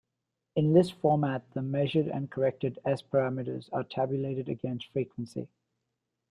In list format the measured and corrected S-parameters are tabulated against frequency.